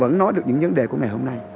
vẫn nói được những vấn đề của ngày hôm nay